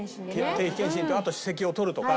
定期検診とあと歯石を取るとか。